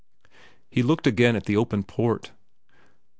'" He looked again at the open port.